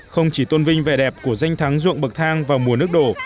không chỉ tôn vinh vẻ đẹp của danh thắng ruộng bậc thang vào mùa nước đổ